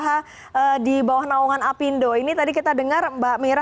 ini tadi kita dengar mbak dola ini tadi kita dengar mbak dola